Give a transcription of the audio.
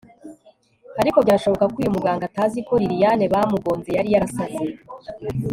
ariko byashoboka ko uyu muganga atazi ko lilian bamugonze yari yarasaze